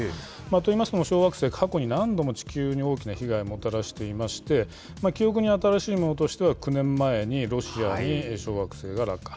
といいますのも、小惑星、過去に何度も地球に大きな被害をもたらしていまして、記憶に新しいものとしては、９年前にロシアに小惑星が落下。